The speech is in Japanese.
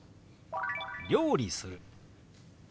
「料理する」。